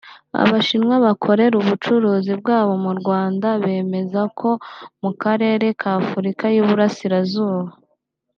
Abashinwa bakorera ubucuruzi bwabo mu Rwanda bemeza ko mu Karere ka Afurika y’Uburasirazuba